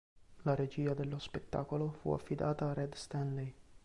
La regia dello spettacolo fu affidata a Red Stanley.